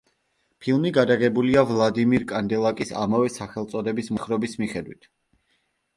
ფილმი გადაღებულია ვლადიმერ კანდელაკის ამავე სახელწოდების მოთხრობის მიხედვით.